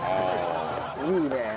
いいね！